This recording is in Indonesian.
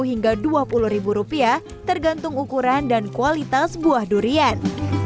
satu hingga dua puluh ribu rupiah tergantung ukuran dan kualitas buah durian